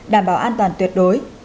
đảm bảo an toàn tuyệt đối